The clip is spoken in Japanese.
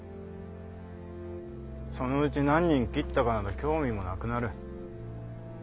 そのうち何人斬ったかなど興味もなくなる。